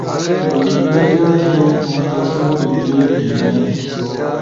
ویکیپیڈیا کئی مکٹصر جملئی گھینئی۔